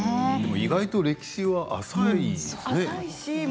意外と歴史が浅いんですね。